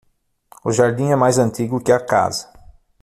O jardim é mais antigo que a casa.